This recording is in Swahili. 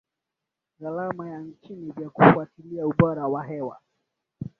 gharama ya chini vya kufuatilia ubora wa hewa